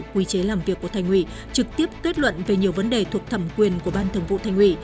quy chế làm việc của thành ủy trực tiếp kết luận về nhiều vấn đề thuộc thẩm quyền của ban thường vụ thành ủy